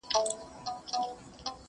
جهاني څه ویل رویبار په ماته، ماته ژبه!